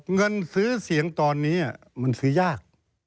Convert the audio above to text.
เงินซื้อเสียงตอนนี้มันซื้อยาก